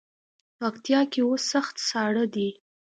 پکتیا کې اوس سخت ساړه دی.